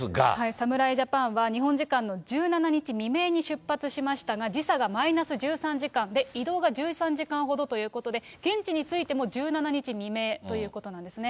侍ジャパンは、日本時間の１７日未明に出発しましたが、時差がマイナス１３時間で、移動が１３時間ほどということで、現地に着いても１７日未明ということなんですね。